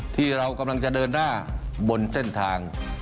ที่เรากำลังจะเดินหน้าบนเส้นทาง